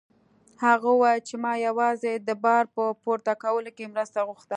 هغه وویل چې ما یوازې د بار په پورته کولو کې مرسته غوښته.